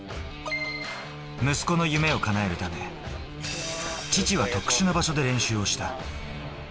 息子の夢をかなえるため、父は特殊な場所で練習をした。